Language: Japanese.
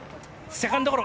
セカンドゴロ。